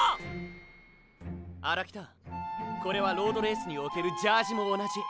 荒北これはロードレースにおけるジャージも同じ。